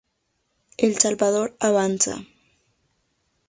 El Salvador avanza.